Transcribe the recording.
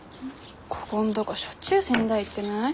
こごんとごしょっちゅう仙台行ってない？